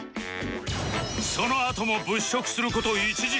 そのあとも物色する事１時間